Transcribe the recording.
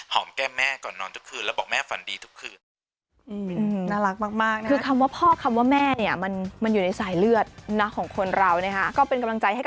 แก้มแม่ก่อนนอนทุกคืนแล้วบอกแม่ฝันดีทุกคืน